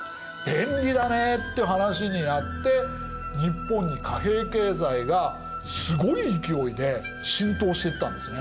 便利だね」って話になって日本に貨幣経済がすごい勢いで浸透していったんですね。